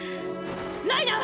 ライナー！！